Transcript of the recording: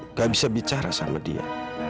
tidak bisa bicara sama dia